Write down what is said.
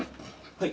はい。